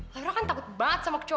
laura kan takut banget sama kecoa